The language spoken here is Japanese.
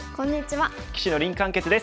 棋士の林漢傑です。